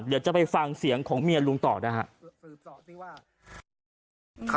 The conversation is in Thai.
เดี๋ยวจะไปฟังเสียงของเมียลุงต่อนะครับ